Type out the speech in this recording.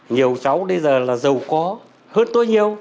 nhiều cháu bây giờ là giàu có hơn tối nhiều